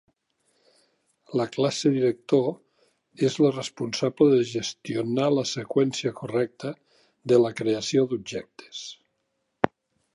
La classe Director és la responsable de gestionar la seqüència correcta de la creació d'objectes.